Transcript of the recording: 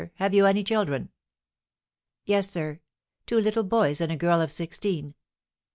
Have you any children?" "Yes, sir, two little boys, and a girl of sixteen."